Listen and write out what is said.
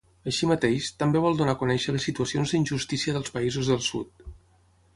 Així mateix, també vol donar a conèixer les situacions d'injustícia dels països del Sud.